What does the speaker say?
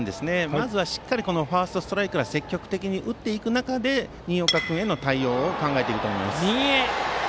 まずはしっかりファーストストライクから積極的に打っていく中で新岡君への対応を考えていると思います。